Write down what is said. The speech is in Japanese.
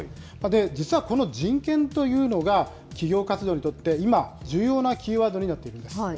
実はこの人権というのが、企業活動にとって今、重要なキーワードになっているんです。